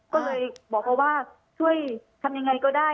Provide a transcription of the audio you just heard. ก็เลยบอกเขาว่าช่วยทำยังไงก็ได้